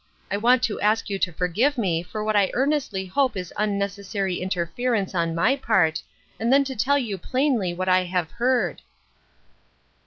I want to ask you to forgive me for what I earnestly hope is unnecessary interference on my part, and then to tell you plainly what I have heard."